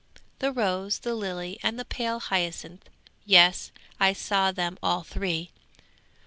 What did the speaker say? The rose, the lily, and the pale hyacinth yes, I saw them all three.